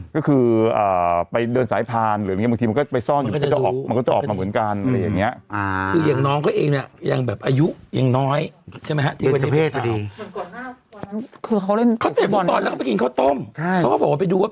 แต่ว่าจริงแล้ว